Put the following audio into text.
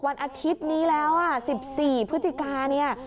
วันอาทิตย์นี้แล้ว๑๔พฤศจิกาเนี่ย